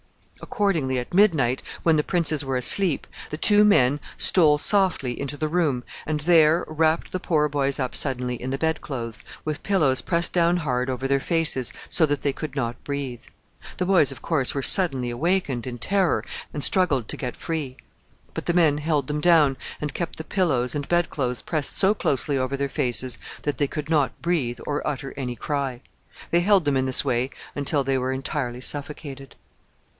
Accordingly, at midnight, when the princes were asleep, the two men stole softly into the room, and there wrapped the poor boys up suddenly in the bed clothes, with pillows pressed down hard over their faces, so that they could not breathe. The boys, of course, were suddenly awakened, in terror, and struggled to get free; but the men held them down, and kept the pillows and bed clothes pressed so closely over their faces that they could not breathe or utter any cry. They held them in this way until they were entirely suffocated.